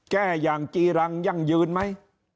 แก้อย่างจีรังยั่งยืนไหม